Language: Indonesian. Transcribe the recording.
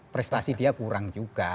prestasi dia kurang juga